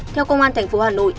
theo công an tp hà nội